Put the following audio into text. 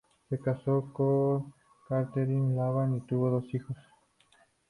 Se casó con Catherine Lavalle y tuvo dos hijos.